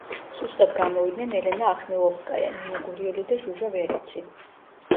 სუსტად გამოვიდნენ ელენა ახმილოვსკაია, ნინო გურიელი და ჟუჟა ვერეცი.